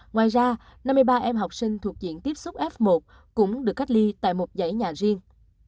ngoài ra năm mươi ba em học sinh thuộc diện tiếp xúc f một cũng được cách ly tại một giải nhà riêng